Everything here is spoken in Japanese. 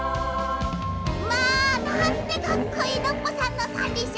まあなんてかっこいいノッポさんのさんりんしゃ。